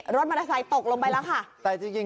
รถมอเตอร์ไซค์ตกลงไปแล้วค่ะ